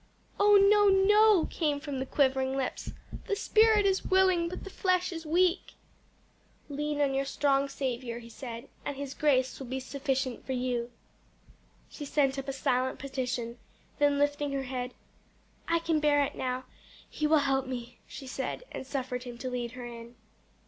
"Oh no, no!" came from the quivering lips. "'The spirit is willing, but the flesh is weak!'" "Lean on your strong Saviour," he said, "and His grace will be sufficient for you." She sent up a silent petition, then lifting her head, "I can bear it now He will help me," she said, and suffered him to lead her in.